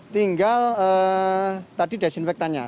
tinggal tadi desinfektannya